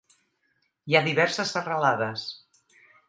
Hi ha diverses serralades.